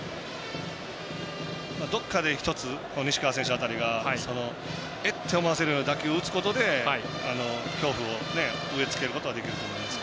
どっかで１つ、西川選手辺りがえっ？と思わせるような打球を打つことで恐怖を植えつけることはできると思います。